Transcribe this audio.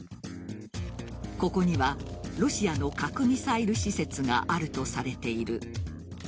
ここにはロシアの核ミサイル施設があるとされている。